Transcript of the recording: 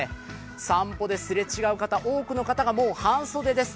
散歩ですれ違う方多くの方がもう半袖です。